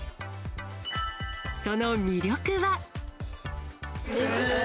その魅力は？